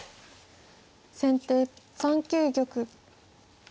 先手３九玉。